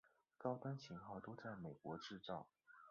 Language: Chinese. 高端型号都在美国制造。